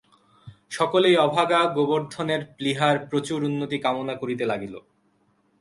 সকলেই অভাগা গোবর্ধনের প্লীহার প্রচুর উন্নতি কামনা করিতে লাগিল।